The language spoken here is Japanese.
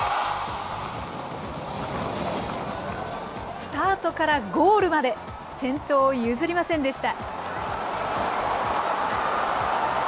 スタートからゴールまで、先頭を譲りませんでした。